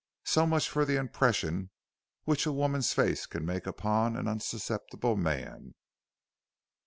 So much for the impression which a woman's face can make upon an unsusceptible man."